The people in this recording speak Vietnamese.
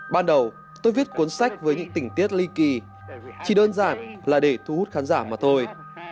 ban đầu tôi viết cuốn sách với những tình tiết ly kỳ chỉ đơn giản là để thu hút khán giả mà thôi